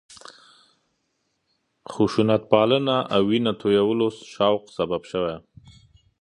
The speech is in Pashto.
خشونتپالنه او وینه تویولو شوق سبب شوی.